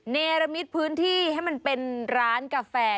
เนรมิตพื้นที่ให้มันเป็นร้านกาแฟ